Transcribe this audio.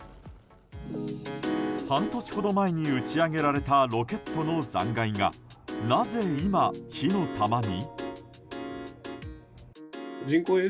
半年ほど前に打ち上げられたロケットの残骸がなぜ今、火の玉に？